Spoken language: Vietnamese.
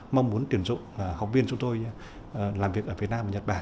mong muốn tuyển dụng học viên chúng tôi làm việc ở việt nam và nhật bản